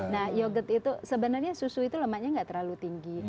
nah yogurt itu sebenarnya susu itu lemaknya nggak terlalu tinggi